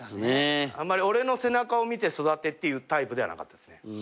あんまり俺の背中を見て育てっていうタイプではなかったです。